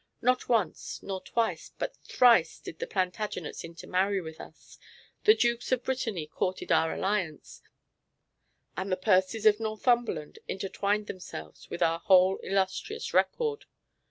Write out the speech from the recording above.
Not once, nor twice, but thrice did the Plantagenets intermarry with us, the Dukes of Brittany courted our alliance, and the Percies of Northumberland intertwined themselves with our whole illustrious record.